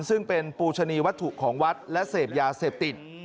ซึ่งเป็นปูชนีวัตถุของวัดและเสพยาเสพติด